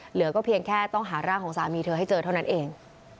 เหลือก็เพียงแค่ต้องหาร่างของสามีเธอให้เจอเท่านั้นเอง